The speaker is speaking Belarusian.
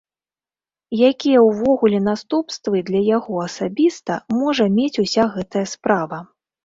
Якія ўвогуле наступствы для яго асабіста можа мець уся гэтая справа?